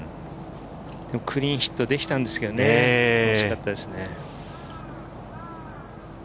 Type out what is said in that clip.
クリーンヒットできたんですけどね、惜しかったですね。